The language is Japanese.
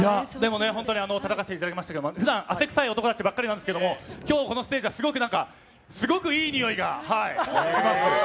本当にたたかせていただきましたけども普段は汗臭い男たちばっかりなんですけど今日このステージはすごくいいにおいがします。